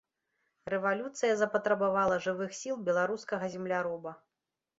Рэвалюцыя запатрабавала жывых сіл беларускага земляроба.